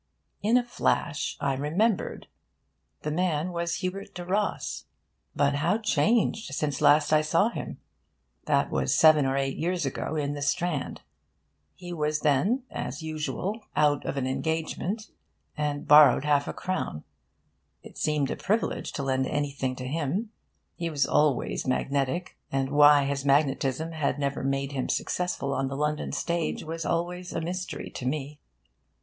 In a flash I remembered. The man was Hubert le Ros. But how changed since last I saw him! That was seven or eight years ago, in the Strand. He was then (as usual) out of an engagement, and borrowed half a crown. It seemed a privilege to lend anything to him. He was always magnetic. And why his magnetism had never made him successful on the London stage was always a mystery to me.